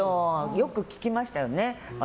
よく聞きましたよね。